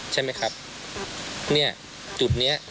ใช่ไหมครับเนี่ยจุดเนี้ย